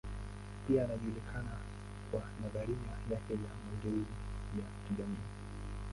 Pia anajulikana kwa nadharia yake ya mageuzi ya kijamii.